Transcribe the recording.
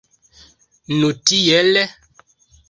Nu tiel!